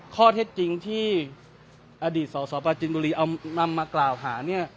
ข้อเท็จจริงที่อดีตสสปาจินบุรีเอานำมากล่าวหาเนี่ย